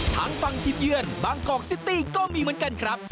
ทั้งฝั่งทีมเยือนบางกอกซิตี้ก็มีเหมือนกันครับ